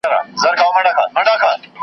چي یې وږي خپل اولاد نه وي لیدلي .